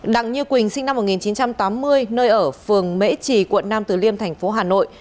đặng như quỳnh sinh năm một nghìn chín trăm tám mươi nơi ở phường mễ trì quận nam từ liêm thành phố hà nội